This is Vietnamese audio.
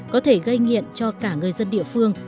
có thể gây nghiện cho cả người dân địa phương